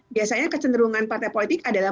biasanya kecenderungan partai politik adalah